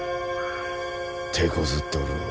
てこずっておるのう。